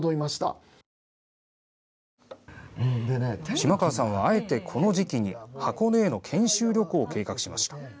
島川さんはあえて、この時期に箱根への研修旅行を計画しました。